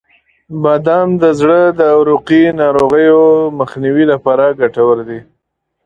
• بادام د زړه د عروقی ناروغیو مخنیوي لپاره ګټور دي.